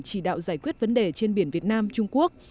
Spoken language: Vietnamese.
chỉ đạo giải quyết vấn đề trên biển việt nam trung quốc